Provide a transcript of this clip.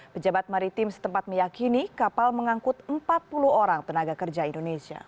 pejabat maritim setempat meyakini kapal mengangkut empat puluh orang tenaga kerja indonesia